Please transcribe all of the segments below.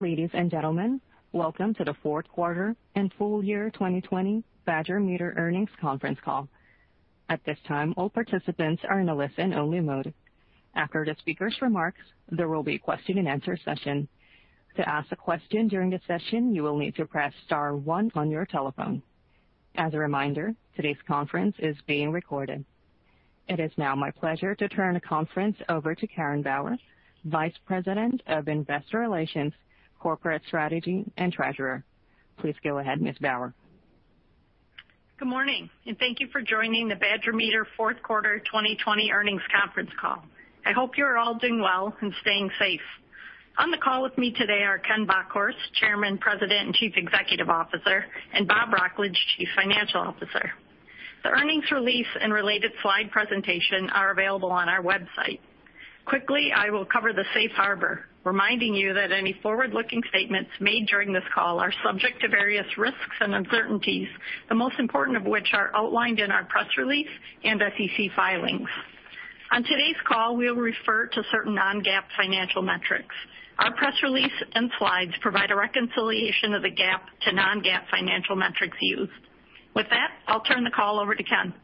Ladies and gentlemen, welcome to the fourth quarter and full year twenty twenty Badger Meter Earnings Conference Call. At this time, all participants are in a listen-only mode. After the speaker's remarks, there will be a question and answer session. To ask a question during the session, you will need to press star one on your telephone. As a reminder, today's conference is being recorded. It is now my pleasure to turn the conference over to Karen Bauer, Vice President of Investor Relations, Corporate Strategy, and Treasurer. Please go ahead, Ms. Bauer. Good morning, and thank you for joining the Badger Meter fourth quarter twenty twenty earnings conference call. I hope you are all doing well and staying safe. On the call with me today are Ken Bockhorst, Chairman, President, and Chief Executive Officer, and Bob Wrocklage, Chief Financial Officer. The earnings release and related slide presentation are available on our website. Quickly, I will cover the safe harbor, reminding you that any forward-looking statements made during this call are subject to various risks and uncertainties, the most important of which are outlined in our press release and SEC filings. On today's call, we'll refer to certain non-GAAP financial metrics. Our press release and slides provide a reconciliation of the GAAP to non-GAAP financial metrics used. With that, I'll turn the call over to Ken.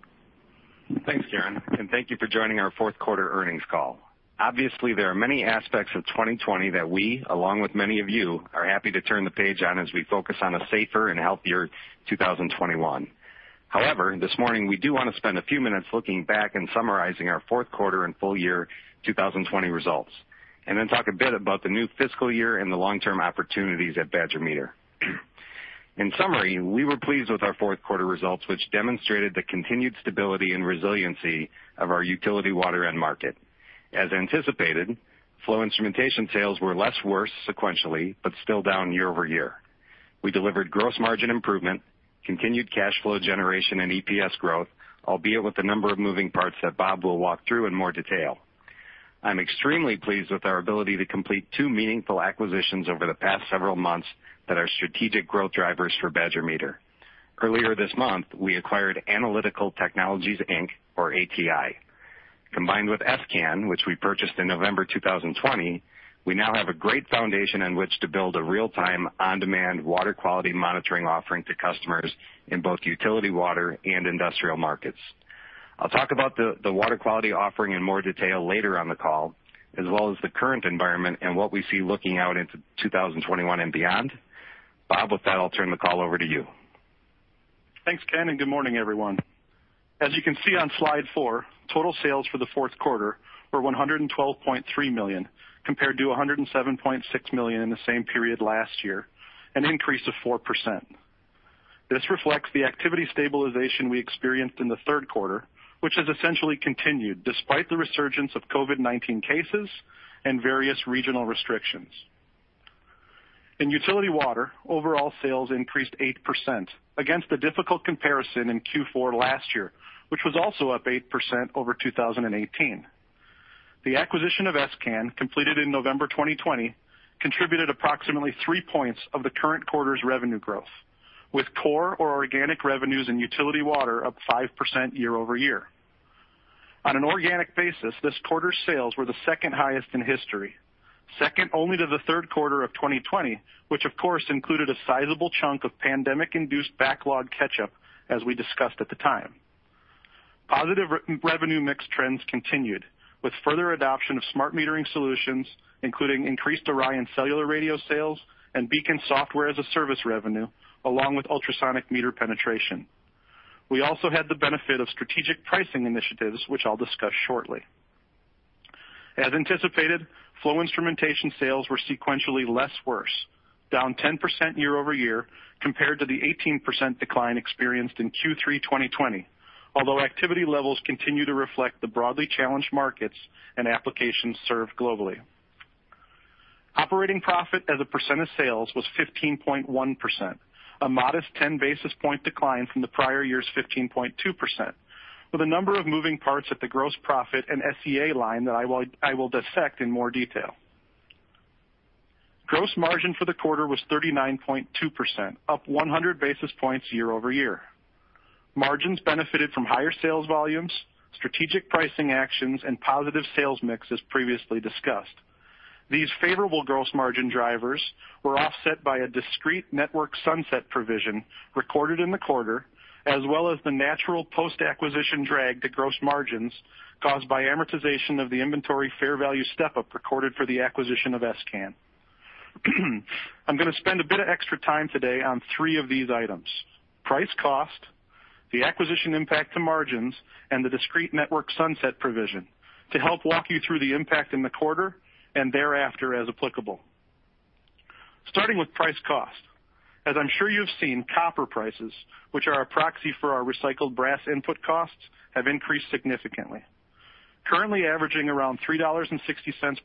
Thanks, Karen, and thank you for joining our fourth quarter earnings call. Obviously, there are many aspects of twenty twenty that we, along with many of you, are happy to turn the page on as we focus on a safer and healthier two thousand and twenty-one. However, this morning we do want to spend a few minutes looking back and summarizing our fourth quarter and full year two thousand and twenty results, and then talk a bit about the new fiscal year and the long-term opportunities at Badger Meter. In summary, we were pleased with our fourth quarter results, which demonstrated the continued stability and resiliency of our utility water end market. As anticipated, flow instrumentation sales were less worse sequentially, but still down year over year. We delivered gross margin improvement, continued cash flow generation, and EPS growth, albeit with a number of moving parts that Bob will walk through in more detail. I'm extremely pleased with our ability to complete two meaningful acquisitions over the past several months that are strategic growth drivers for Badger Meter. Earlier this month, we acquired Analytical Technology, Inc., or ATI. Combined with s::can, which we purchased in November two thousand and twenty, we now have a great foundation on which to build a real-time, on-demand water quality monitoring offering to customers in both utility water, and industrial markets. I'll talk about the water quality offering in more detail later on the call, as well as the current environment and what we see looking out into two thousand and twenty-one and beyond. Bob, with that, I'll turn the call over to you. Thanks, Ken, and good morning, everyone. As you can see on slide 4, total sales for the fourth quarter were $112.3 million, compared to $107.6 million in the same period last year, an increase of 4%. This reflects the activity stabilization we experienced in the third quarter, which has essentially continued despite the resurgence of COVID-19 cases and various regional restrictions. In utility water, overall sales increased 8% against a difficult comparison in Q4 last year, which was also up 8% over 2018. The acquisition of s::can, completed in November 2020, contributed approximately three points of the current quarter's revenue growth, with core or organic revenues in utility water up 5% year over year. On an organic basis, this quarter's sales were the second highest in history, second only to the third quarter of 2020, which of course included a sizable chunk of pandemic-induced backlog catch-up, as we discussed at the time. Positive revenue mix trends continued, with further adoption of smart metering solutions, including increased Orion cellular radio sales and Beacon software as a service revenue, along with ultrasonic meter penetration. We also had the benefit of strategic pricing initiatives, which I'll discuss shortly. As anticipated, flow instrumentation sales were sequentially less worse, down 10% year over year compared to the 18% decline experienced in Q3 2020, although activity levels continue to reflect the broadly challenged markets and applications served globally. Operating profit as a percent of sales was 15.1%, a modest 10 basis point decline from the prior year's 15.2%, with a number of moving parts at the gross profit and SG&A line that I will dissect in more detail. Gross margin for the quarter was 39.2%, up 100 basis points year over year. Margins benefited from higher sales volumes, strategic pricing actions, and positive sales mix, as previously discussed. These favorable gross margin drivers were offset by a discrete network sunset provision recorded in the quarter, as well as the natural post-acquisition drag to gross margins caused by amortization of the inventory fair value step-up recorded for the acquisition of s::can. I'm going to spend a bit of extra time today on three of these items: price cost, the acquisition impact to margins, and the discrete network sunset provision to help walk you through the impact in the quarter and thereafter, as applicable. Starting with price cost. As I'm sure you've seen, copper prices, which are a proxy for our recycled brass input costs, have increased significantly. Currently averaging around $3.60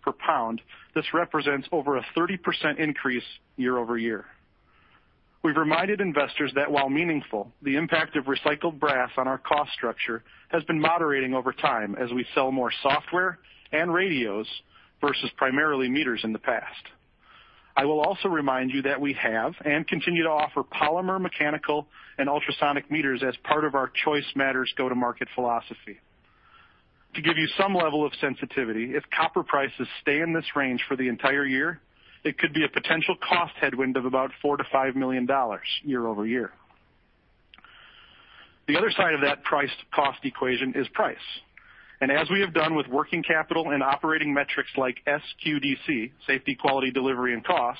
per pound, this represents over a 30% increase year over year. We've reminded investors that, while meaningful, the impact of recycled brass on our cost structure has been moderating over time as we sell more software and radios versus primarily meters in the past. I will also remind you that we have and continue to offer polymer, mechanical, and ultrasonic meters as part of our Choice Matters go-to-market philosophy.... To give you some level of sensitivity, if copper prices stay in this range for the entire year, it could be a potential cost headwind of about $4 million-$5 million year over year. The other side of that price-to-cost equation is price, and as we have done with working capital and operating metrics like SQDC, safety, quality, delivery, and cost,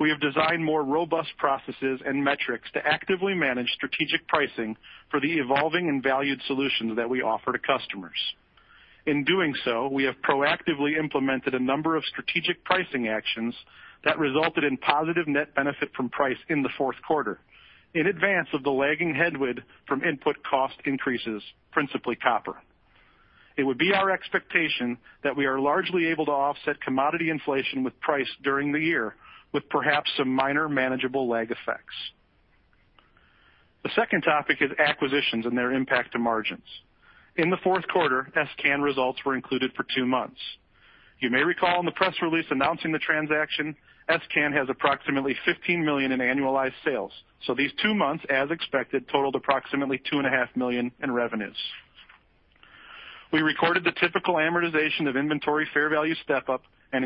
we have designed more robust processes and metrics to actively manage strategic pricing for the evolving and valued solutions that we offer to customers. In doing so, we have proactively implemented a number of strategic pricing actions that resulted in positive net benefit from price in the fourth quarter, in advance of the lagging headwind from input cost increases, principally copper. It would be our expectation that we are largely able to offset commodity inflation with price during the year, with perhaps some minor manageable lag effects. The second topic is acquisitions and their impact to margins. In the fourth quarter, s::can results were included for two months. You may recall in the press release announcing the transaction, s::can has approximately $15 million in annualized sales, so these two months, as expected, totaled approximately $2.5 million in revenues. We recorded the typical amortization of inventory, fair value step-up, and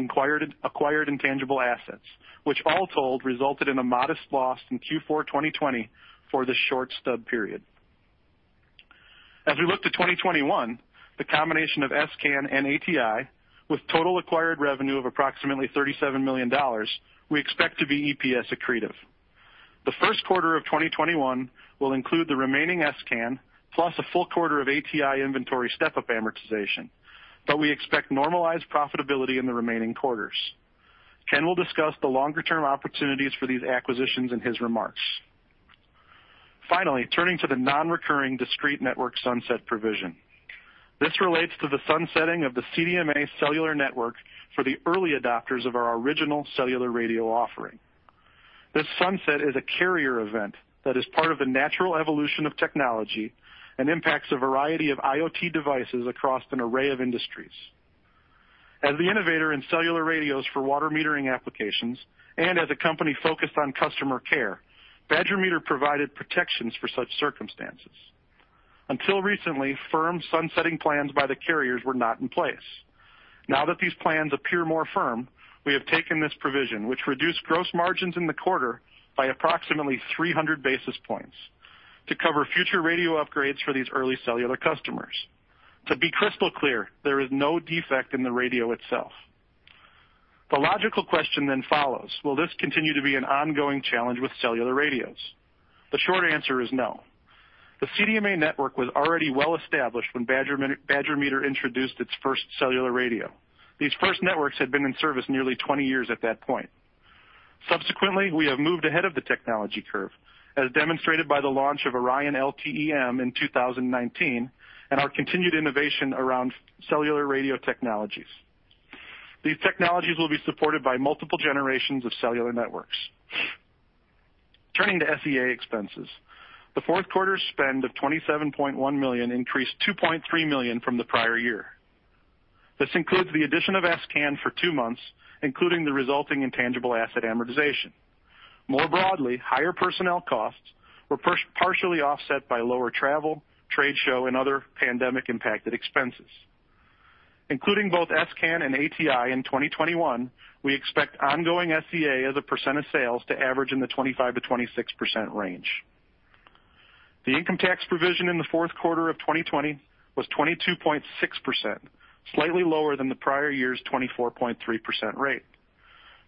acquired intangible assets, which all told, resulted in a modest loss in Q4 2020 for the short stub period. As we look to 2021, the combination of s::can and ATI, with total acquired revenue of approximately $37 million, we expect to be EPS accretive. The first quarter of 2021 will include the remaining s::can, plus a full quarter of ATI inventory step-up amortization, but we expect normalized profitability in the remaining quarters. Ken will discuss the longer-term opportunities for these acquisitions in his remarks. Finally, turning to the non-recurring discrete network sunset provision. This relates to the sunsetting of the CDMA cellular network for the early adopters of our original cellular radio offering. This sunset is a carrier event that is part of the natural evolution of technology and impacts a variety of IoT devices across an array of industries. As the innovator in cellular radios for water metering applications and as a company focused on customer care, Badger Meter provided protections for such circumstances. Until recently, firm sunsetting plans by the carriers were not in place. Now that these plans appear more firm, we have taken this provision, which reduced gross margins in the quarter by approximately 300 basis points to cover future radio upgrades for these early cellular customers. To be crystal clear, there is no defect in the radio itself. The logical question then follows: Will this continue to be an ongoing challenge with cellular radios? The short answer is no. The CDMA network was already well-established when Badger Meter, Badger Meter introduced its first cellular radio. These first networks had been in service nearly 20 years at that point. Subsequently, we have moved ahead of the technology curve, as demonstrated by the launch of Orion LTE-M in 2019 and our continued innovation around cellular radio technologies. These technologies will be supported by multiple generations of cellular networks. Turning to SG&A expenses. The fourth quarter's spend of $27.1 million increased $2.3 million from the prior year. This includes the addition of s::can for two months, including the resulting intangible asset amortization. More broadly, higher personnel costs were partially offset by lower travel, trade show, and other pandemic-impacted expenses. Including both s::can and ATI in 2021, we expect ongoing SG&A as a percent of sales to average in the 25%-26% range. The income tax provision in the fourth quarter of 2020 was 22.6%, slightly lower than the prior year's 24.3% rate.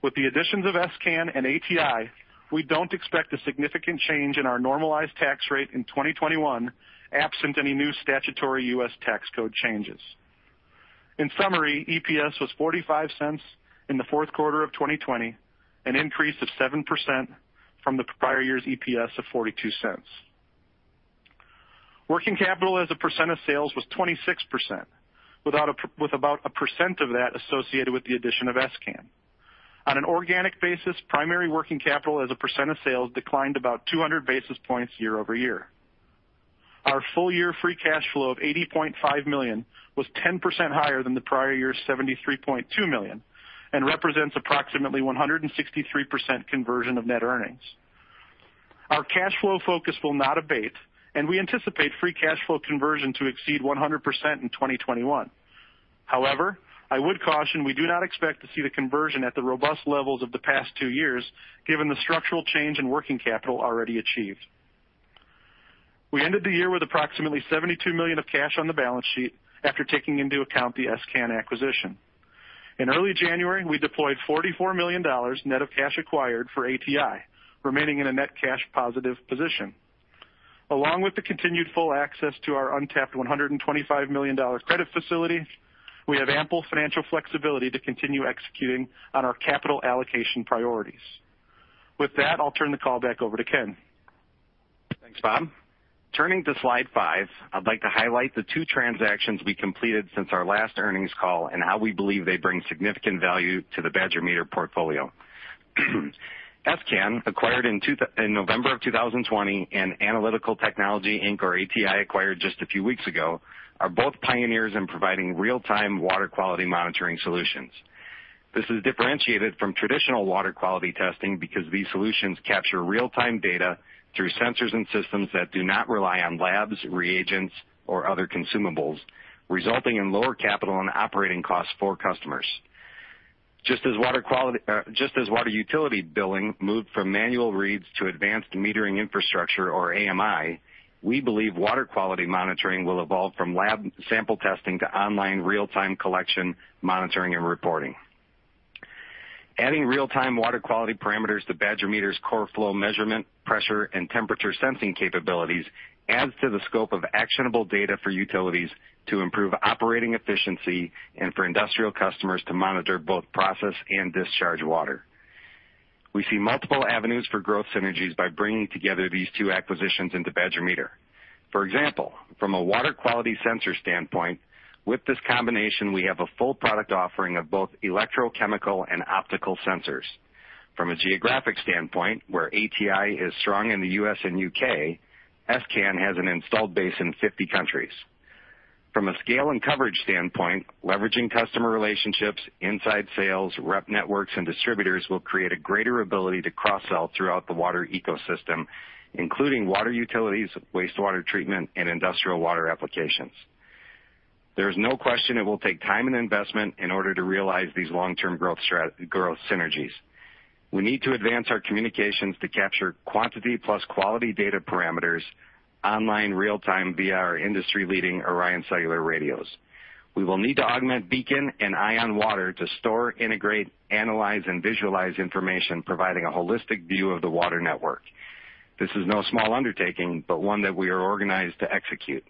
With the additions of s::can and ATI, we don't expect a significant change in our normalized tax rate in 2021, absent any new statutory U.S. tax code changes. In summary, EPS was $0.45 in the fourth quarter of 2020, an increase of 7% from the prior year's EPS of $0.42. Working capital as a percent of sales was 26%, without, with about 1% of that associated with the addition of s::can. On an organic basis, primary working capital as a percent of sales declined about 200 basis points year over year. Our full year free cash flow of $80.5 million was 10% higher than the prior year's $73.2 million, and represents approximately 163% conversion of net earnings. Our cash flow focus will not abate, and we anticipate free cash flow conversion to exceed 100% in 2021. However, I would caution, we do not expect to see the conversion at the robust levels of the past two years, given the structural change in working capital already achieved. We ended the year with approximately $72 million of cash on the balance sheet after taking into account the s::can acquisition. In early January, we deployed $44 million net of cash acquired for ATI, remaining in a net cash positive position. Along with the continued full access to our untapped $125 million credit facility, we have ample financial flexibility to continue executing on our capital allocation priorities. With that, I'll turn the call back over to Ken. Thanks, Bob. Turning to slide five, I'd like to highlight the two transactions we completed since our last earnings call and how we believe they bring significant value to the Badger Meter portfolio. s::can, acquired in November of 2020, and Analytical Technology, Inc., or ATI, acquired just a few weeks ago, are both pioneers in providing real-time water quality monitoring solutions. This is differentiated from traditional water quality testing because these solutions capture real-time data through sensors and systems that do not rely on labs, reagents, or other consumables, resulting in lower capital and operating costs for customers. Just as water utility billing moved from manual reads to advanced metering infrastructure or AMI, we believe water quality monitoring will evolve from lab sample testing to online real-time collection, monitoring, and reporting. Adding real-time water quality parameters to Badger Meter's core flow measurement, pressure, and temperature sensing capabilities adds to the scope of actionable data for utilities to improve operating efficiency and for industrial customers to monitor both process and discharge water. We see multiple avenues for growth synergies by bringing together these two acquisitions into Badger Meter. For example, from a water quality sensor standpoint, with this combination, we have a full product offering of both electrochemical and optical sensors. From a geographic standpoint, where ATI is strong in the U.S. and U.K., s::can has an installed base in 50 countries. From a scale and coverage standpoint, leveraging customer relationships, inside sales, rep networks, and distributors will create a greater ability to cross-sell throughout the water ecosystem, including water utilities, wastewater treatment, and industrial water applications. There is no question it will take time and investment in order to realize these long-term growth synergies. We need to advance our communications to capture quantity plus quality data parameters, online, real-time via our industry-leading Orion cellular radios. We will need to augment Beacon and EyeOnWater to store, integrate, analyze, and visualize information, providing a holistic view of the water network. This is no small undertaking, but one that we are organized to execute.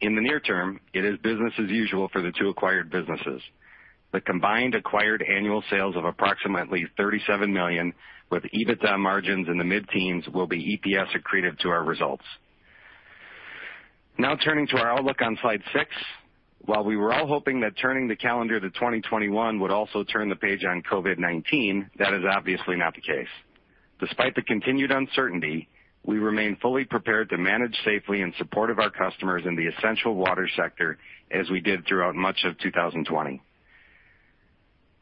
In the near term, it is business as usual for the two acquired businesses. The combined acquired annual sales of approximately $37 million, with EBITDA margins in the mid-teens, will be EPS accretive to our results. Now turning to our outlook on slide six. While we were all hoping that turning the calendar to 2021 would also turn the page on COVID-19, that is obviously not the case. Despite the continued uncertainty, we remain fully prepared to manage safely in support of our customers in the essential water sector, as we did throughout much of 2020.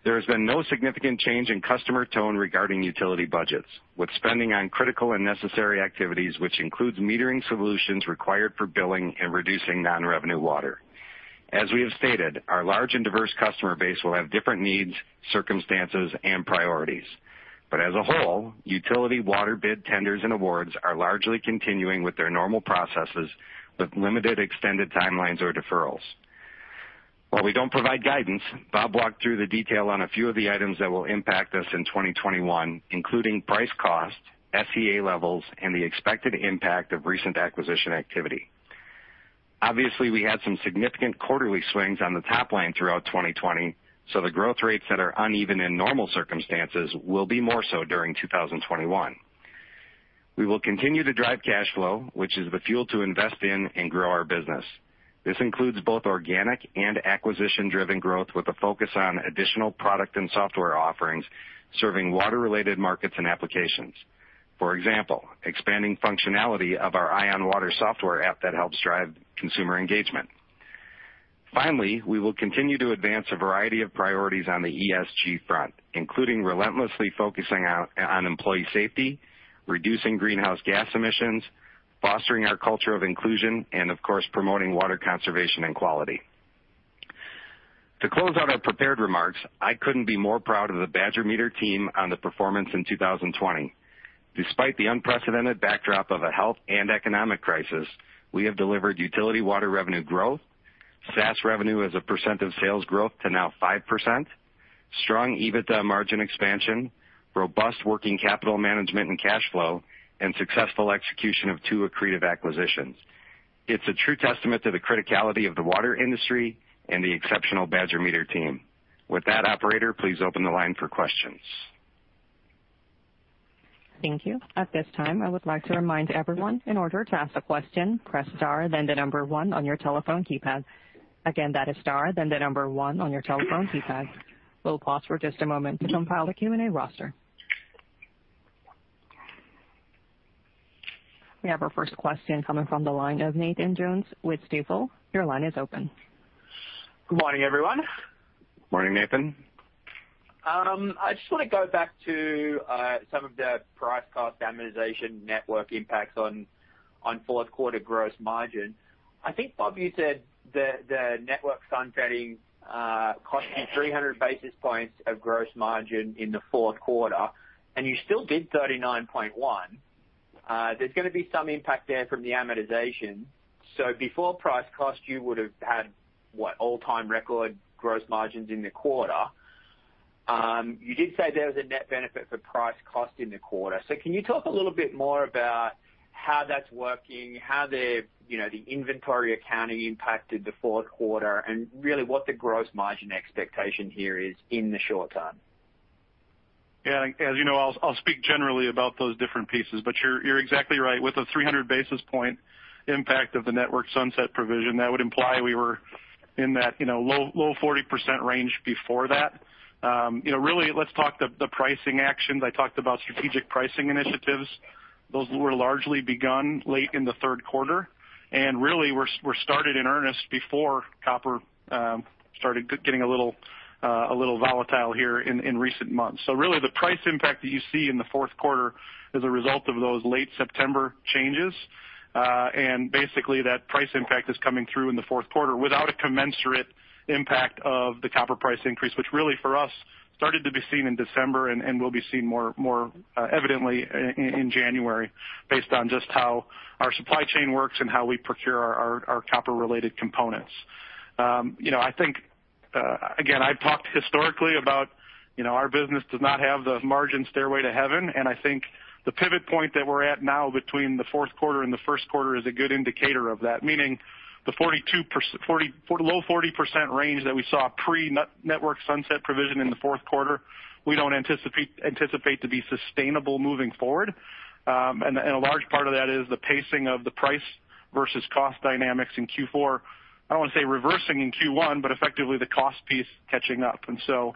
There has been no significant change in customer tone regarding utility budgets, with spending on critical and necessary activities, which includes metering solutions required for billing and reducing non-revenue water. As we have stated, our large and diverse customer base will have different needs, circumstances, priorities. But as a whole, utility water bid tenders and awards are largely continuing with their normal processes, with limited extended timelines or deferrals. While we don't provide guidance, Bob walked through the detail on a few of the items that will impact us in 2021, including price cost, SG&A levels, and the expected impact of recent acquisition activity. Obviously, we had some significant quarterly swings on the top line throughout 2020, so the growth rates that are uneven in normal circumstances will be more so during 2021. We will continue to drive cash flow, which is the fuel to invest in and grow our business. This includes both organic and acquisition-driven growth, with a focus on additional product and software offerings, serving water-related markets and applications. For example, expanding functionality of our EyeOnWater software app that helps drive consumer engagement. Finally, we will continue to advance a variety of priorities on the ESG front, including relentlessly focusing out on employee safety, reducing greenhouse gas emissions, fostering our culture of inclusion, and of course, promoting water conservation and quality. To close out our prepared remarks, I couldn't be more proud of the Badger Meter team on the performance in 2020. Despite the unprecedented backdrop of a health and economic crisis, we have delivered utility water revenue growth, SaaS revenue as a percent of sales growth to now 5%, strong EBITDA margin expansion, robust working capital management and cash flow, and successful execution of two accretive acquisitions. It's a true testament to the criticality of the water industry and the exceptional Badger Meter team. With that, operator, please open the line for questions. Thank you. At this time, I would like to remind everyone, in order to ask a question, press star then the number one on your telephone keypad. Again, that is star, then the number one on your telephone keypad. We'll pause for just a moment to compile the Q&A roster. We have our first question coming from the line of Nathan Jones with Stifel. Your line is open. Good morning, everyone. Morning, Nathan. I just want to go back to some of the price cost amortization network impacts on fourth quarter gross margin. I think, Bob, you said the network sunsetting cost you 300 basis points of gross margin in the fourth quarter, and you still did 39.1%. There's going to be some impact there from the amortization. So before price cost, you would have had, what? All-time record gross margins in the quarter. You did say there was a net benefit for price cost in the quarter. So can you talk a little bit more about how that's working, how the, you know, the inventory accounting impacted the fourth quarter, and really, what the gross margin expectation here is in the short term?... Yeah, and as you know, I'll speak generally about those different pieces, but you're exactly right. With a 300 basis point impact of the network sunset provision, that would imply we were in that, you know, low 40% range before that. You know, really, let's talk the pricing actions. I talked about strategic pricing initiatives. Those were largely begun late in the third quarter, and really, were started in earnest before copper started getting a little volatile here in recent months. So really, the price impact that you see in the fourth quarter is a result of those late September changes. And basically, that price impact is coming through in the fourth quarter without a commensurate impact of the copper price increase, which really, for us, started to be seen in December and will be seen more evidently in January, based on just how our supply chain works and how we procure our copper-related components. You know, I think, again, I've talked historically about, you know, our business does not have the margin stairway to heaven, and I think the pivot point that we're at now between the fourth quarter and the first quarter is a good indicator of that, meaning the 42%-low 40% range that we saw pre-network sunset provision in the fourth quarter, we don't anticipate to be sustainable moving forward. A large part of that is the pacing of the price versus cost dynamics in Q4. I don't want to say reversing in Q1, but effectively the cost piece catching up. And so,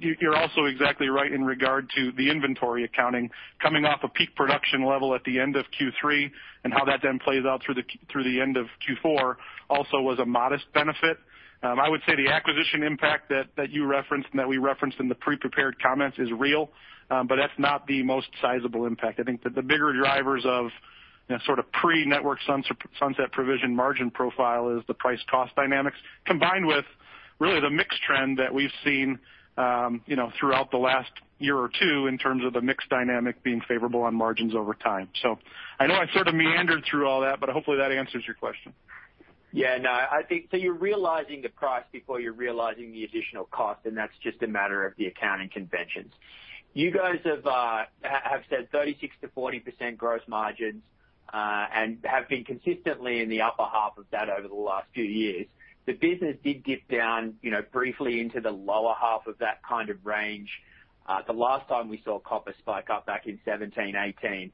you're also exactly right in regard to the inventory accounting coming off a peak production level at the end of Q3 and how that then plays out through the end of Q4, also was a modest benefit. I would say the acquisition impact that you referenced and that we referenced in the pre-prepared comments is real, but that's not the most sizable impact. I think that the bigger drivers of, you know, sort of pre-network sunset provision margin profile is the price-cost dynamics, combined with really the mix trend that we've seen, you know, throughout the last year or two in terms of the mix dynamic being favorable on margins over time. So I know I sort of meandered through all that, but hopefully, that answers your question. Yeah, no, I think so you're realizing the price before you're realizing the additional cost, and that's just a matter of the accounting conventions. You guys have said 36%-40% gross margins, and have been consistently in the upper half of that over the last few years. The business did dip down, you know, briefly into the lower half of that kind of range, the last time we saw copper spike up back in 2017, 2018.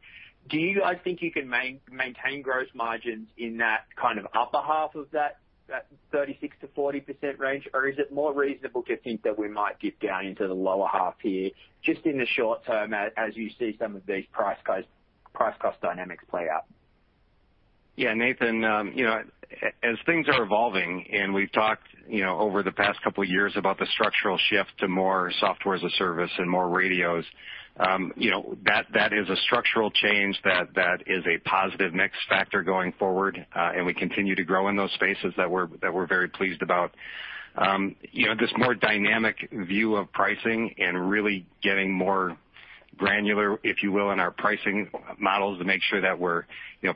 Do you guys think you can maintain gross margins in that kind of upper half of that 36%-40% range? Or is it more reasonable to think that we might dip down into the lower half here, just in the short term, as you see some of these price-cost dynamics play out? Yeah, Nathan, you know, as things are evolving, and we've talked, you know, over the past couple of years about the structural shift to more software as a service and more radios, you know, that is a structural change that is a positive mix factor going forward, and we continue to grow in those spaces that we're very pleased about. You know, this more dynamic view of pricing and really getting more granular, if you will, in our pricing models to make sure that we're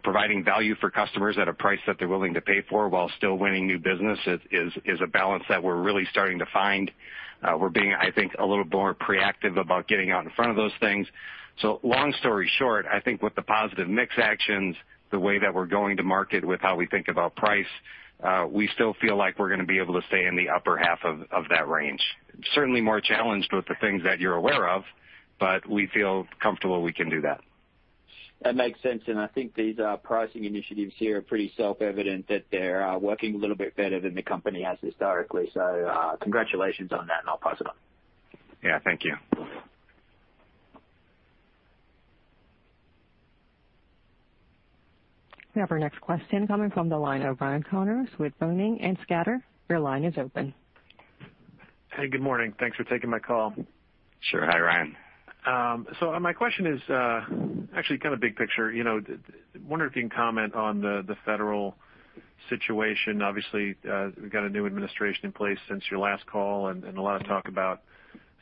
providing value for customers at a price that they're willing to pay for while still winning new business is a balance that we're really starting to find. We're being, I think, a little more proactive about getting out in front of those things. So long story short, I think with the positive mix actions, the way that we're going to market with how we think about price, we still feel like we're gonna be able to stay in the upper half of that range. Certainly more challenged with the things that you're aware of, but we feel comfortable we can do that. That makes sense, and I think these pricing initiatives here are pretty self-evident, that they're working a little bit better than the company has historically, so congratulations on that, and I'll pass it on. Yeah, thank you. We have our next question coming from the line of Ryan Connors with Boenning and Scattergood. Your line is open. Hey, good morning. Thanks for taking my call. Sure. Hi, Ryan. My question is actually kind of big picture. You know, I wonder if you can comment on the federal situation. Obviously, we've got a new administration in place since your last call, and a lot of talk about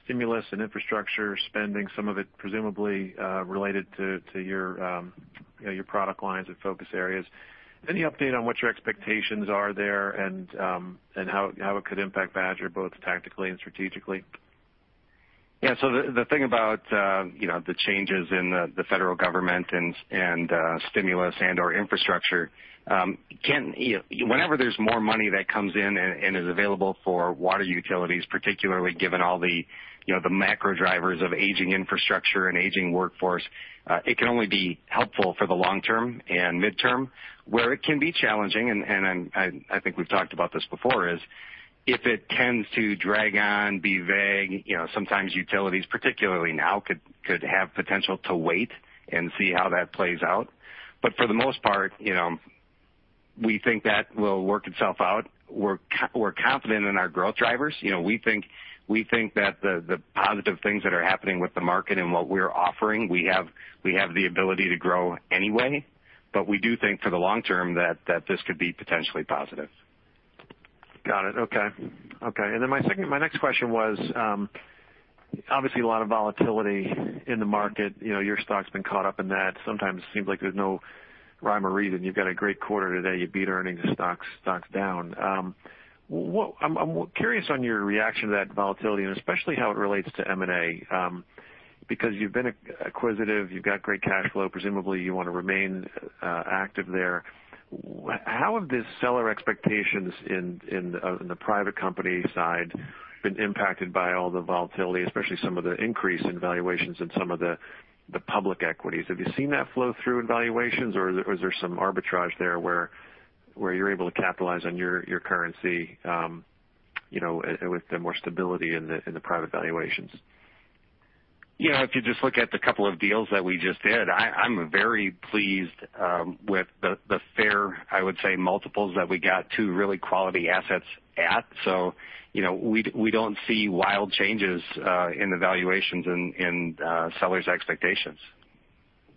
stimulus and infrastructure spending, some of it presumably related to your product lines and focus areas. Any update on what your expectations are there and how it could impact Badger, both tactically and strategically? Yeah, so the thing about, you know, the changes in the federal government and stimulus and/or infrastructure. Whenever there's more money that comes in and is available for water utilities, particularly given all the, you know, the macro drivers of aging infrastructure and aging workforce, it can only be helpful for the long term and midterm. Where it can be challenging, and I think we've talked about this before, is if it tends to drag on, be vague, you know, sometimes utilities, particularly now, could have potential to wait and see how that plays out. But for the most part, you know, we think that will work itself out. We're confident in our growth drivers. You know, we think that the positive things that are happening with the market and what we're offering, we have the ability to grow anyway, but we do think for the long term that this could be potentially positive. Got it. Okay. Okay, and then my second-- my next question was, obviously a lot of volatility in the market. You know, your stock's been caught up in that. Sometimes it seems like there's no rhyme or reason. You've got a great quarter today, you beat earnings, the stock's down. What I'm curious on your reaction to that volatility and especially how it relates to M&A. Because you've been acquisitive, you've got great cash flow. Presumably, you want to remain active there. How have the seller expectations in the private company side been impacted by all the volatility, especially some of the increase in valuations and some of the public equities? Have you seen that flow through in valuations, or is there some arbitrage there where you're able to capitalize on your currency, you know, with the more stability in the private valuations? Yeah, if you just look at the couple of deals that we just did, I'm very pleased with the fair, I would say, multiples that we got two really quality assets at. So, you know, we don't see wild changes in the valuations in sellers' expectations.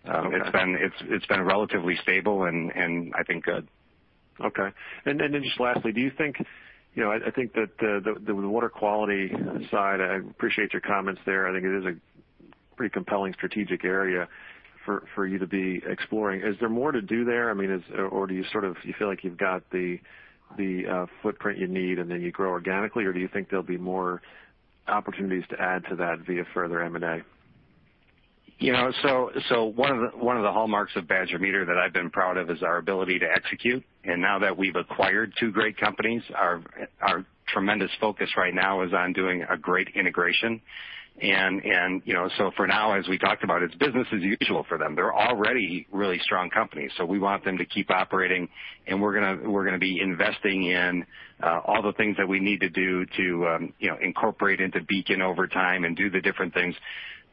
It's been relatively stable and I think good. Okay. And then just lastly, do you think, you know, I think that the water quality side, I appreciate your comments there. I think it is a pretty compelling strategic area for you to be exploring. Is there more to do there? I mean, is... Or do you sort of, you feel like you've got the footprint you need, and then you grow organically, or do you think there'll be more opportunities to add to that via further M&A? You know, so one of the hallmarks of Badger Meter that I've been proud of is our ability to execute. And now that we've acquired two great companies, our tremendous focus right now is on doing a great integration. And, you know, so for now, as we talked about, it's business as usual for them. They're already really strong companies, so we want them to keep operating, and we're gonna be investing in all the things that we need to do to, you know, incorporate into Beacon over time and do the different things.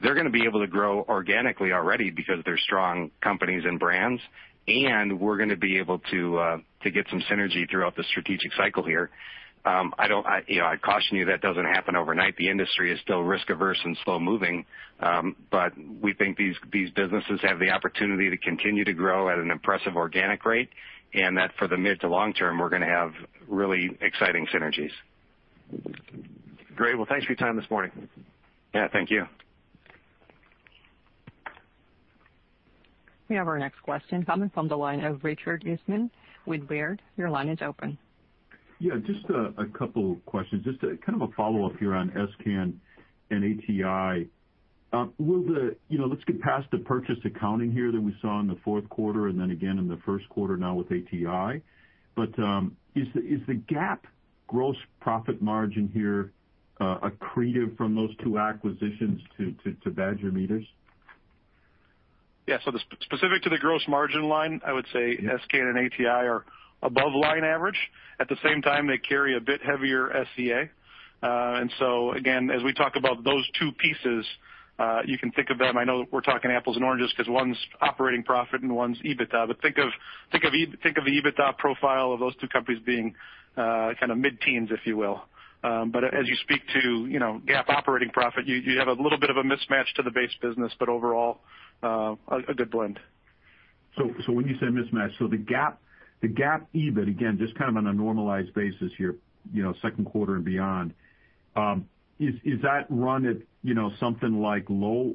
They're gonna be able to grow organically already because they're strong companies and brands, and we're gonna be able to get some synergy throughout the strategic cycle here. I don't... I, you know, I'd caution you, that doesn't happen overnight. The industry is still risk-averse and slow-moving, but we think these businesses have the opportunity to continue to grow at an impressive organic rate, and that for the mid to long term, we're gonna have really exciting synergies. Great. Well, thanks for your time this morning. Yeah, thank you. We have our next question coming from the line of Richard Eastman with Baird. Your line is open. Yeah, just a couple questions. Just kind of a follow-up here on s::can and ATI. Will the, you know, let's get past the purchase accounting here that we saw in the fourth quarter and then again in the first quarter now with ATI. But, is the GAAP gross profit margin here accretive from those two acquisitions to Badger Meter's? Yeah, so specifically to the gross margin line, I would say s::can and ATI are above line average. At the same time, they carry a bit heavier SG&A. And so again, as we talk about those two pieces, you can think of them. I know we're talking apples and oranges because one's operating profit and one's EBITDA, but think of the EBITDA profile of those two companies being kind of mid-teens, if you will. But as you speak to, you know, GAAP operating profit, you have a little bit of a mismatch to the base business, but overall, a good blend. So, when you say mismatch, so the GAAP, the GAAP EBIT, again, just kind of on a normalized basis here, you know, second quarter and beyond, is that run at, you know, something like low,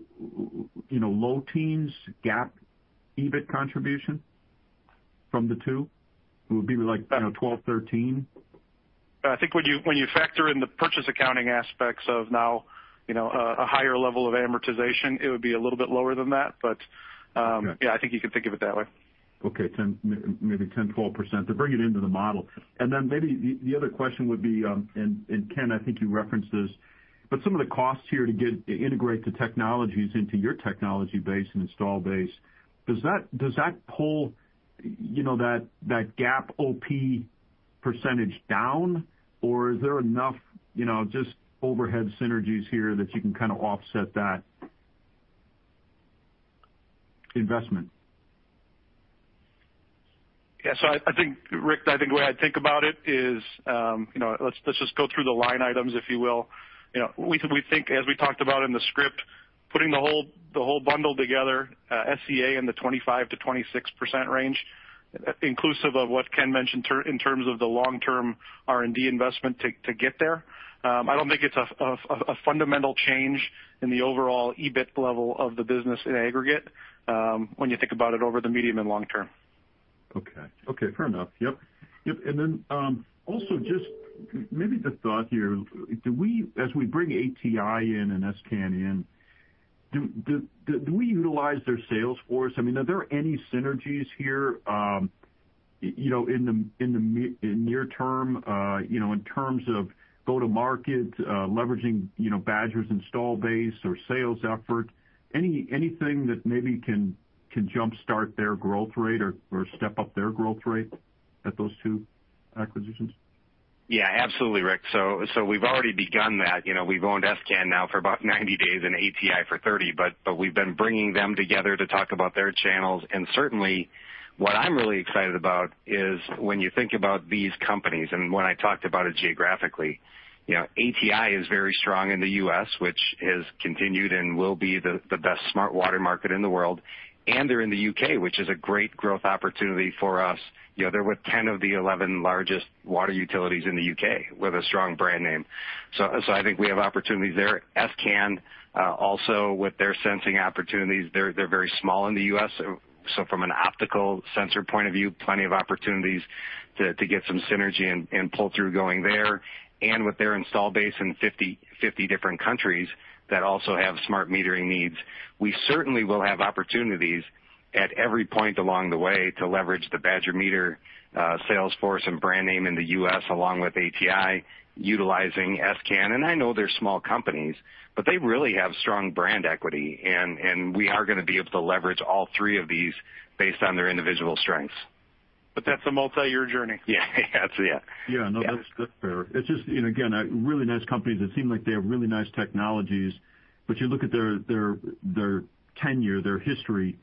you know, low teens GAAP EBIT contribution from the two? It would be like, you know, twelve, thirteen? I think when you factor in the purchase accounting aspects of now, you know, a higher level of amortization, it would be a little bit lower than that. But, Okay. Yeah, I think you can think of it that way. Okay, 10, maybe 10, 12% to bring it into the model. And then maybe the other question would be, and Ken, I think you referenced this, but some of the costs here to get to integrate the technologies into your technology base and install base, does that pull, you know, that GAAP OP percentage down, or is there enough, you know, just overhead synergies here that you can kind of offset that investment? Yeah, so I think, Rick, I think the way I'd think about it is, you know, let's just go through the line items, if you will. You know, we think, as we talked about in the script, putting the whole bundle together, SG&A in the 25%-26% range, inclusive of what Ken mentioned in terms of the long-term R&D investment to get there. I don't think it's a fundamental change in the overall EBIT level of the business in aggregate, when you think about it over the medium and long term. Okay. Okay, fair enough. Yep. Yep, and then also just maybe the thought here: Do we, as we bring ATI in and s::can in, do we utilize their sales force? I mean, are there any synergies here, you know, in the near term, you know, in terms of go-to-market, leveraging, you know, Badger's install base or sales effort? Anything that maybe can jumpstart their growth rate or step up their growth rate at those two acquisitions? Yeah, absolutely, Rick. So we've already begun that. You know, we've owned s::can now for about ninety days and ATI for thirty, but we've been bringing them together to talk about their channels. And certainly, what I'm really excited about is when you think about these companies, and when I talked about it geographically. You know, ATI is very strong in the U.S., which has continued and will be the best smart water market in the world. And they're in the U.K., which is a great growth opportunity for us. You know, they're with 10 of the 11 largest water utilities in the U.K. with a strong brand name. So I think we have opportunities there. s::can also with their sensing opportunities, they're very small in the U.S. From an optical sensor point of view, plenty of opportunities to get some synergy and pull through going there. With their installed base in 50 different countries that also have smart metering needs, we certainly will have opportunities at every point along the way to leverage the Badger Meter sales force and brand name in the U.S., along with ATI, utilizing s::can. I know they're small companies, but they really have strong brand equity, and we are gonna be able to leverage all three of these based on their individual strengths. But that's a multiyear journey. Yeah. That's, yeah. Yeah. No, that's fair. It's just, and again, a really nice companies that seem like they have really nice technologies, but you look at their tenure, their history,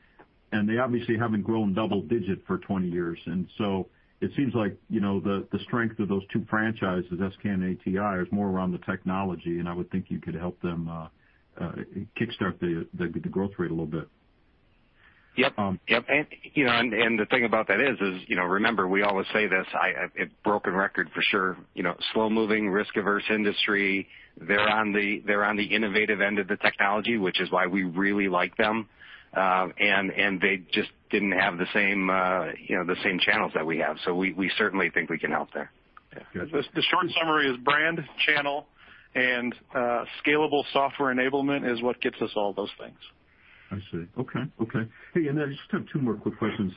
and they obviously haven't grown double digit for twenty years. And so it seems like, you know, the strength of those two franchises, s::can and ATI, is more around the technology, and I would think you could help them kickstart the growth rate a little bit. Yep, and you know, the thing about that is, you know, remember, we always say this, I'm a broken record for sure, you know, slow-moving, risk-averse industry. They're on the innovative end of the technology, which is why we really like them. And they just didn't have the same, you know, the same channels that we have, so we certainly think we can help there. Yeah. The short summary is brand, channel, and scalable software enablement is what gets us all those things. I see. Okay. Okay. Hey, and I just have two more quick questions.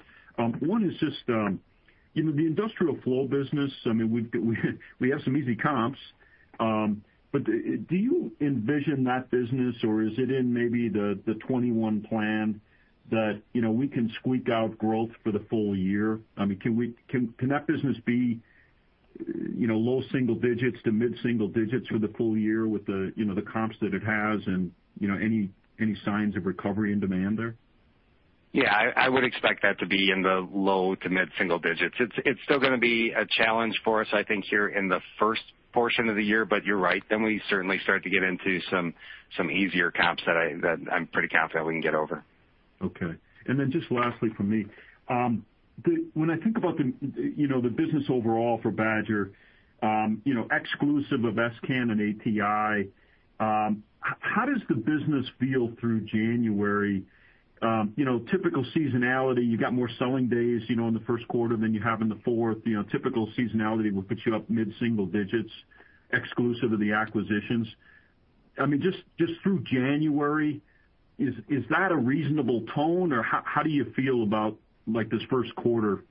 One is just, you know, the industrial flow business. I mean, we have some easy comps, but do you envision that business, or is it in maybe the twenty-one plan that, you know, we can squeak out growth for the full year? I mean, can that business be, you know, low single digits to mid single digits for the full year with the, you know, the comps that it has and, you know, any signs of recovery and demand there? Yeah, I would expect that to be in the low- to mid-single digits. It's still gonna be a challenge for us, I think, here in the first portion of the year, but you're right, then we certainly start to get into some easier comps that I'm pretty confident we can get over. Okay. And then just lastly from me, when I think about the, you know, the business overall for Badger, you know, exclusive of s::can and ATI, how does the business feel through January? You know, typical seasonality, you've got more selling days, you know, in the first quarter than you have in the fourth. You know, typical seasonality will put you up mid single digits, exclusive of the acquisitions. I mean, just through January, is that a reasonable tone, or how do you feel about, like, this first quarter,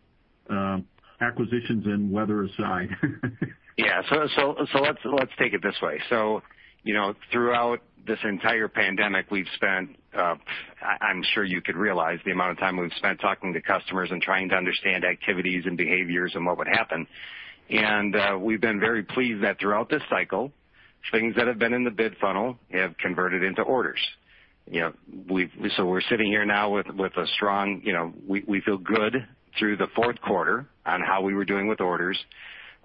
acquisitions and weather aside? Yeah, so let's take it this way. So, you know, throughout this entire pandemic, we've spent, I'm sure you could realize the amount of time we've spent talking to customers and trying to understand activities and behaviors and what would happen. And we've been very pleased that throughout this cycle, things that have been in the bid funnel have converted into orders. You know, so we're sitting here now with a strong, you know, we feel good through the fourth quarter on how we were doing with orders.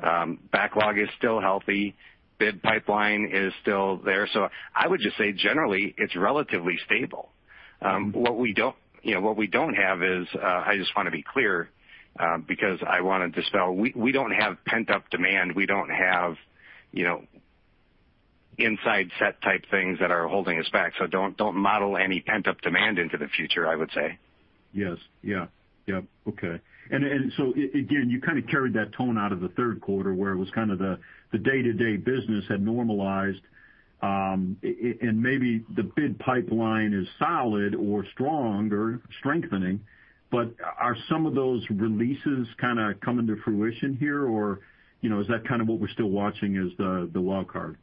Backlog is still healthy. Bid pipeline is still there. So I would just say, generally, it's relatively stable. What we don't, you know, what we don't have is, I just want to be clear, because I want to dispel: we don't have pent-up demand. We don't have, you know, site access type things that are holding us back, so don't model any pent-up demand into the future, I would say. Yes. Yeah. Yep. Okay. And so again, you kind of carried that tone out of the third quarter, where it was kind of the day-to-day business had normalized, and maybe the bid pipeline is solid or strong or strengthening, but are some of those releases kind of coming to fruition here, or, you know, is that kind of what we're still watching as the wild card?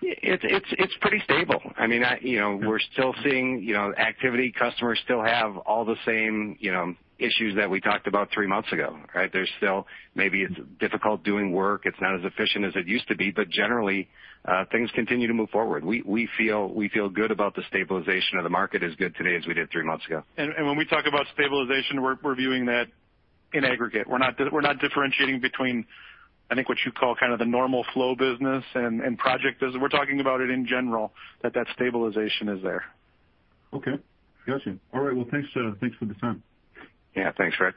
It's pretty stable. I mean, you know, we're still seeing, you know, activity. Customers still have all the same, you know, issues that we talked about three months ago, right? There's still, maybe it's difficult doing work. It's not as efficient as it used to be, but generally, things continue to move forward. We feel good about the stabilization of the market as good today as we did three months ago. When we talk about stabilization, we're viewing that in aggregate. We're not differentiating between, I think, what you call kind of the normal flow business and project business. We're talking about it in general, that stabilization is there. Okay. Got you. All right, well, thanks for the time. Yeah. Thanks, Rick.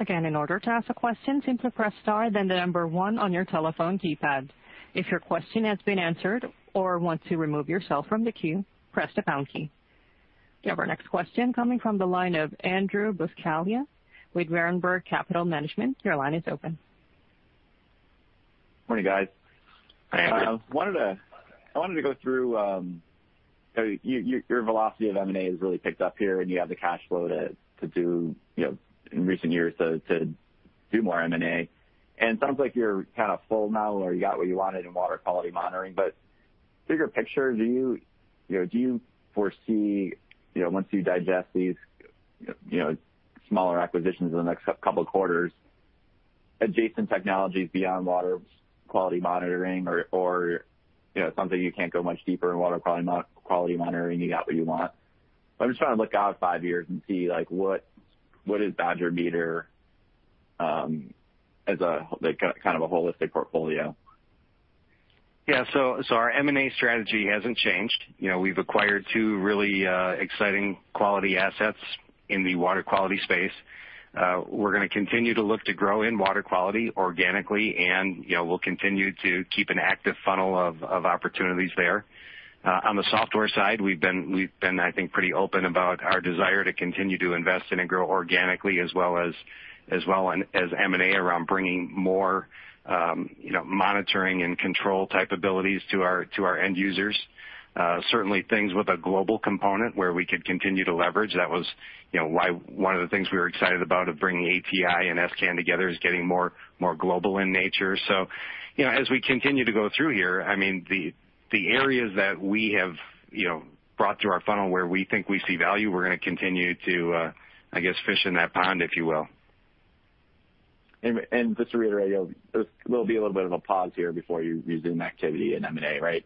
Again, in order to ask a question, simply press star then the number one on your telephone keypad. If your question has been answered or want to remove yourself from the queue, press the pound key. We have our next question coming from the line of Andrew Buscaglia with Berenberg Capital Management. Your line is open. Morning, guys. Hi, Andrew. I wanted to go through. So your velocity of M&A has really picked up here, and you have the cash flow to do, you know, in recent years, so to do more M&A. And it sounds like you're kind of full now, or you got what you wanted in water quality monitoring, but bigger picture, do you foresee, you know, once you digest these, you know, smaller acquisitions in the next couple of quarters adjacent technologies beyond water quality monitoring or, you know, something you can't go much deeper in water, probably not quality monitoring, you got what you want. I'm just trying to look out five years and see, like, what is Badger Meter, as a, like, kind of a holistic portfolio? Yeah. So our M&A strategy hasn't changed. You know, we've acquired two really exciting quality assets in the water quality space. We're gonna continue to look to grow in water quality organically and, you know, we'll continue to keep an active funnel of opportunities there. On the software side, we've been, I think, pretty open about our desire to continue to invest in and grow organically, as well as M&A around bringing more, you know, monitoring and control type abilities to our end users. Certainly things with a global component where we could continue to leverage, that was, you know, why one of the things we were excited about bringing ATI and s::can together is getting more global in nature. So, you know, as we continue to go through here, I mean, the areas that we have, you know, brought to our funnel where we think we see value, we're gonna continue to, I guess, fish in that pond, if you will. Just to reiterate, there will be a little bit of a pause here before you resume activity in M&A, right?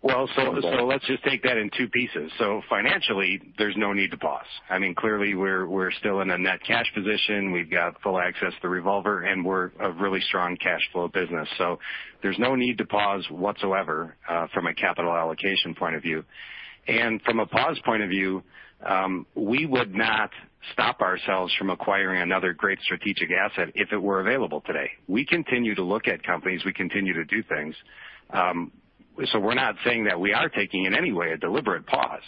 Let's just take that in two pieces. Financially, there's no need to pause. I mean, clearly, we're still in a net cash position. We've got full access to the revolver, and we're a really strong cash flow business. There's no need to pause whatsoever from a capital allocation point of view. From a pause point of view, we would not stop ourselves from acquiring another great strategic asset if it were available today. We continue to look at companies. We continue to do things. We're not saying that we are taking, in any way, a deliberate pause.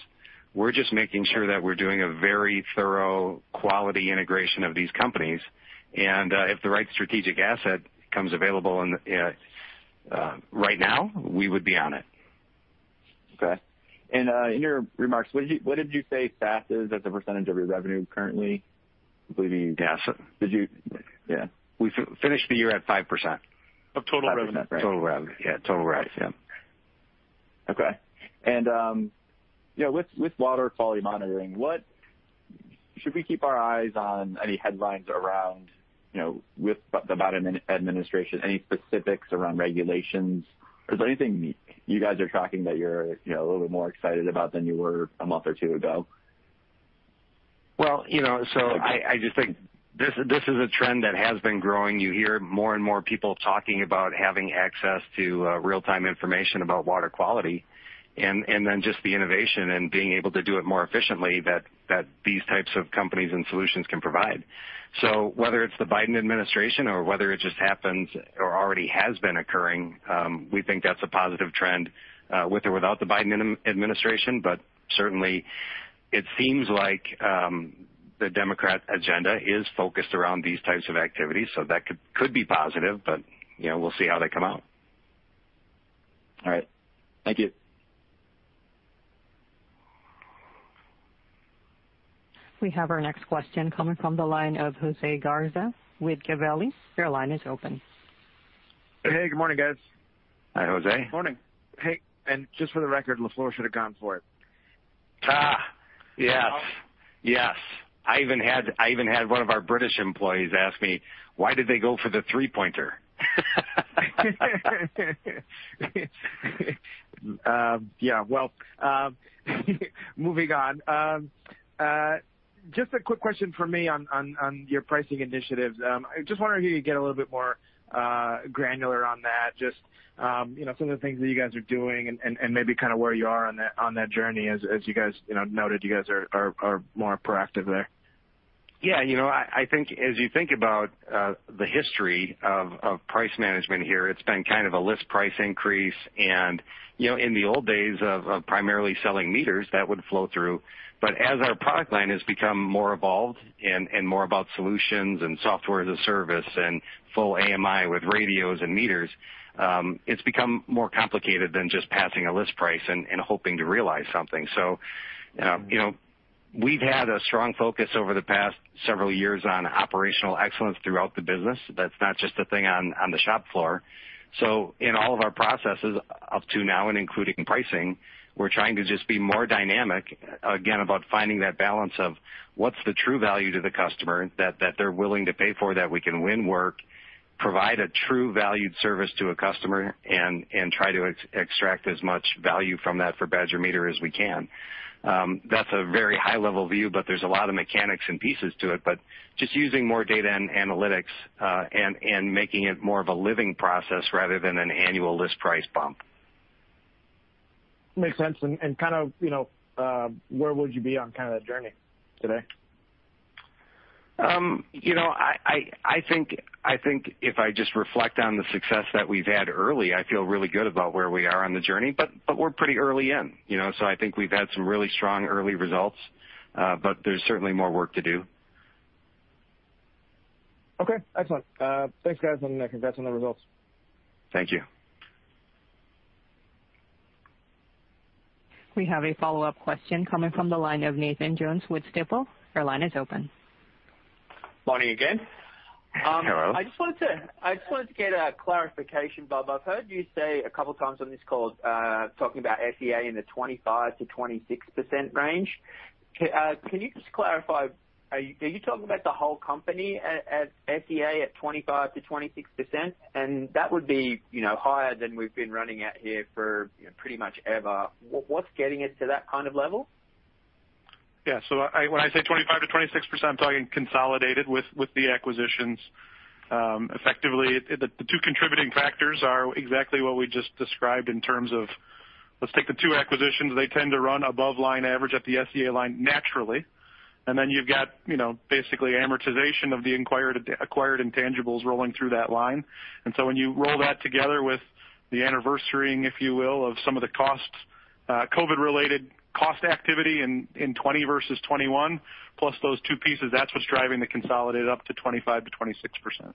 We're just making sure that we're doing a very thorough quality integration of these companies, and if the right strategic asset becomes available right now, we would be on it. Okay. And, in your remarks, what did you say SaaS is, as a percentage of your revenue currently? I believe you- Yeah. Did you... Yeah. We finished the year at 5%. Of total revenue? Total rev. Yeah, total rev, yeah. Okay. And, you know, with water quality monitoring, what should we keep our eyes on any headlines around, you know, with the Biden administration, any specifics around regulations? Is there anything you guys are tracking that you're, you know, a little more excited about than you were a month or two ago? Well, you know, so I, I just think this, this is a trend that has been growing. You hear more and more people talking about having access to real-time information about water quality, and, and then just the innovation and being able to do it more efficiently that, that these types of companies and solutions can provide. So whether it's the Biden administration or whether it just happens or already has been occurring, we think that's a positive trend with or without the Biden administration. But certainly it seems like the Democrat agenda is focused around these types of activities, so that could, could be positive, but, you know, we'll see how they come out. All right. Thank you. We have our next question coming from the line of José Garza with Gabelli. Your line is open. Hey, good morning, guys. Hi, Jose. Morning. Hey, and just for the record, LaFleur should have gone for it. Yes. Yes. I even had one of our British employees ask me: Why did they go for the three-pointer? Yeah, well, moving on. Just a quick question from me on your pricing initiatives. I just wanted to hear you get a little bit more granular on that. Just you know, some of the things that you guys are doing and maybe kind of where you are on that journey. As you guys you know noted, you guys are more proactive there. Yeah, you know, I think as you think about the history of price management here, it's been kind of a list price increase. And, you know, in the old days of primarily selling meters, that would flow through. But as our product line has become more evolved and more about solutions and software as a service and full AMI with radios and meters, it's become more complicated than just passing a list price and hoping to realize something. So, you know, we've had a strong focus over the past several years on operational excellence throughout the business. That's not just a thing on the shop floor. So in all of our processes, up to now and including pricing, we're trying to just be more dynamic, again, about finding that balance of what's the true value to the customer that they're willing to pay for, that we can win work, provide a true valued service to a customer, and try to extract as much value from that for Badger Meter as we can. That's a very high-level view, but there's a lot of mechanics and pieces to it. But just using more data and analytics, and making it more of a living process rather than an annual list price bump. Makes sense. And kind of, you know, where would you be on kind of that journey today? You know, I think if I just reflect on the success that we've had early, I feel really good about where we are on the journey, but we're pretty early in, you know? So I think we've had some really strong early results, but there's certainly more work to do. Okay, excellent. Thanks, guys, and congrats on the results. Thank you. We have a follow-up question coming from the line of Nathan Jones with Stifel. Your line is open. Morning again. Hello. I just wanted to get a clarification, Bob. I've heard you say a couple times on this call, talking about SG&A in the 25%-26% range.... Can you just clarify, are you talking about the whole company at SG&A at 25%-26%? And that would be, you know, higher than we've been running at here for pretty much ever. What's getting it to that kind of level? Yeah. So I, when I say 25%-26%, I'm talking consolidated with the acquisitions. Effectively, the two contributing factors are exactly what we just described in terms of let's take the two acquisitions, they tend to run above line average at the SG&A line naturally, and then you've got, you know, basically amortization of the acquired intangibles rolling through that line. And so when you roll that together with the anniversarying, if you will, of some of the costs, COVID-related cost activity in 2020 versus 2021, plus those two pieces, that's what's driving the consolidated up to 25%-26%.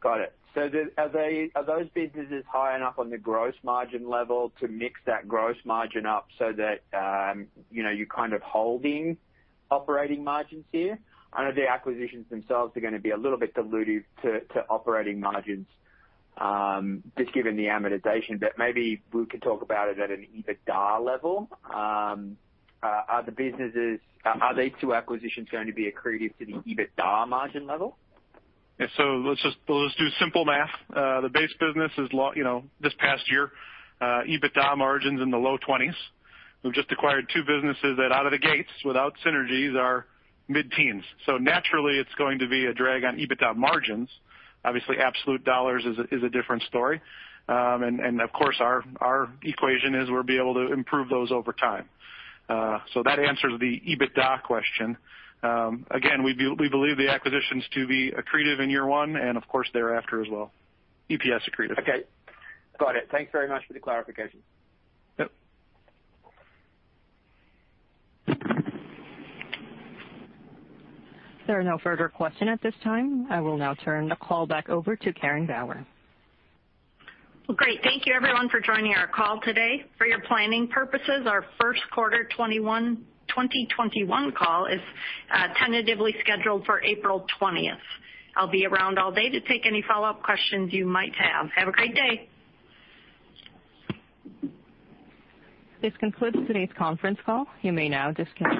Got it. So are they, are those businesses high enough on the gross margin level to mix that gross margin up so that, you know, you're kind of holding operating margins here? I know the acquisitions themselves are gonna be a little bit dilutive to operating margins, just given the amortization, but maybe we could talk about it at an EBITDA level. Are these two acquisitions going to be accretive to the EBITDA margin level? Yeah. So let's just, let's do simple math. The base business is low, you know, this past year, EBITDA margins in the low 20s. We've just acquired two businesses that out of the gates, without synergies, are mid-teens. So naturally, it's going to be a drag on EBITDA margins. Obviously, absolute dollars is a different story. And of course, our equation is we'll be able to improve those over time. So that answers the EBITDA question. Again, we believe the acquisitions to be accretive in year one, and of course, thereafter as well. EPS accretive. Okay. Got it. Thanks very much for the clarification. Yep. There are no further questions at this time. I will now turn the call back over to Karen Bauer. Great. Thank you everyone for joining our call today. For your planning purposes, our first quarter 2021, call is tentatively scheduled for April 20th. I'll be around all day to take any follow-up questions you might have. Have a great day. This concludes today's conference call. You may now disconnect.